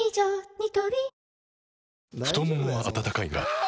ニトリ太ももは温かいがあ！